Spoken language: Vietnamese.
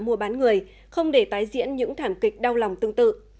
mua bán người không để tái diễn những thảm kịch đau lòng tương tự